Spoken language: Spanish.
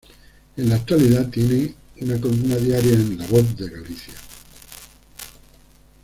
En la actualidad tiene una columna diaria en "La Voz de Galicia".